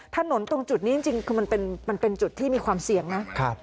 ถนนตรงจุดนี้จริงคือมันเป็นจุดที่มีความเสี่ยงนะ